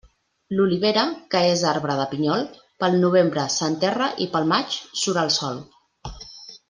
L'olivera, que és arbre de pinyol, pel novembre s'enterra i pel maig surt al sol.